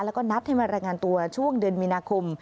แล้วก็นัดให้มารายงานตัวช่วงเดือนมีนาคม